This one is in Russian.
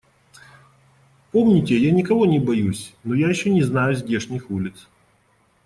Помните, я никого не боюсь, но я еще не знаю здешних улиц.